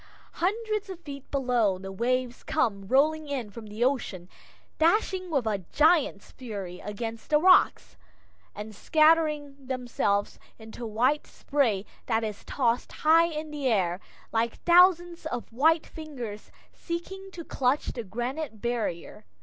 [Illustration: THEY HAVE STOOD THE STORMS OF CENTURIES] Hundreds of feet below, the waves come rolling in from the ocean, dashing with a giant's fury against the rocks, and shattering themselves into white spray that is tossed high in air, like thousands of white fingers seeking to clutch the granite barrier.